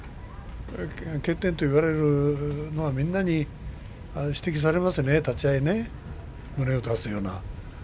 欠点と言われるのはみんなに指摘されますね立ち合い、胸を出すような。